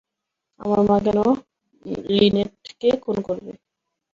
আমার মা কেন লিনেটকে খুন করবে?